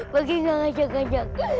bagi gak ngajak ngajak